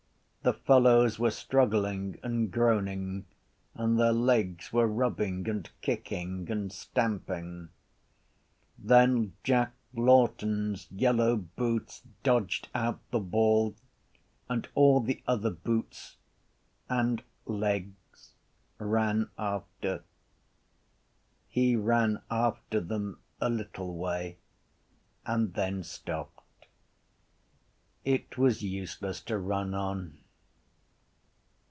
The fellows were struggling and groaning and their legs were rubbing and kicking and stamping. Then Jack Lawton’s yellow boots dodged out the ball and all the other boots and legs ran after. He ran after them a little way and then stopped. It was useless to run on.